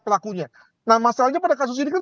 pelakunya nah masalahnya pada kasus ini kan